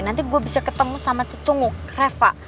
nanti gue bisa ketemu sama cicungu reva